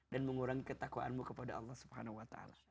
dan mengurangi ketakwaanmu kepada allah swt